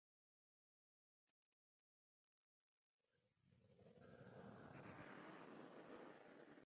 The poles have faces and Korean characters.